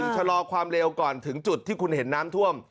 ชะลอความเร็วก่อนถึงจุดที่คุณเห็นน้ำท่วม